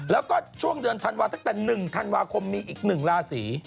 แล้วก็ช่วงเดือนธันวาตั้งแต่๑ธันวาคมมีอีก๑ราศี